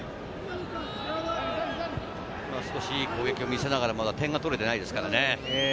少しいい攻撃を見せながら点が取れてないですからね。